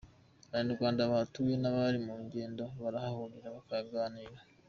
Abanyarwanda bahatuye n’abari mu ngendo, barahahurira bakaganira.